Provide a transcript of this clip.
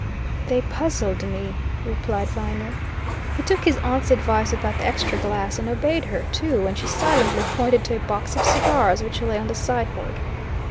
"They puzzled me," replied Viner. He took his aunt's advice about the extra glass, and obeyed her, too, when she silently pointed to a box of cigars which lay on the sideboard.